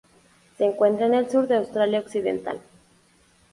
Se encuentra en el sur de Australia Occidental.